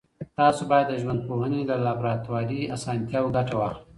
تاسو باید د ژوندپوهنې له لابراتواري اسانتیاوو ګټه واخلئ.